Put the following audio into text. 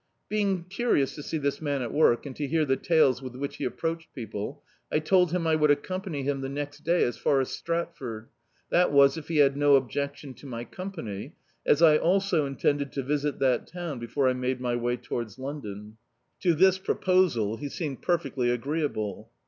Being curious to see this man at work, and to hear the tales with which he approached people, I told him I would accompany him the next day as far as Stratford, that was if he had no objec tion to my company, as I also intended to visit that town before I made my way towards London. To this proposal he seemed perfectly agreeable.